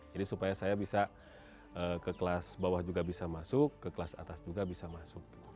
jadi supaya saya bisa ke kelas bawah juga bisa masuk ke kelas atas juga bisa masuk